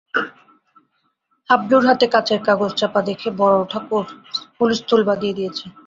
হাবলুর হাতে কাঁচের কাগজচাপা দেখে বড়োঠাকুর হুলস্থূল বাধিয়ে দিয়েছে।